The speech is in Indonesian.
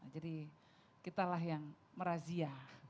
jadi kitalah yang merazia